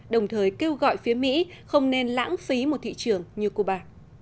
đồng thời kêu gọi phía mỹ không nên lãng phí một thị trường như cuba